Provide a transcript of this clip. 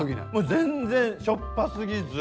全然しょっぱすぎず。